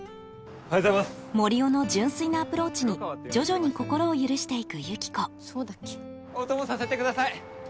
森生の純粋なアプローチに徐々に心を許して行くユキコお供させてください！